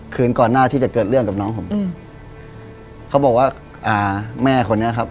คืนก่อนหน้าที่จะเกิดเรื่องกับน้องผมอืมเขาบอกว่าอ่าแม่คนนี้ครับ